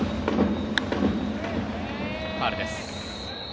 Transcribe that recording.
ファウルです。